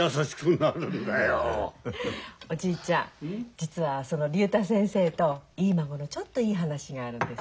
実はその竜太先生といい孫のちょっといい話があるんです。